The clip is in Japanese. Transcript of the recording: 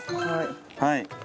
はい。